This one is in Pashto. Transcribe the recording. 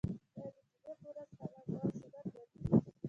آیا د جمعې په ورځ حمام کول سنت نه دي؟